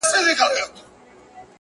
• ما لیدلې د وزیرو په مورچو کي,